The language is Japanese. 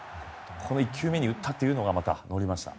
この１球目に打ったのが乗りました。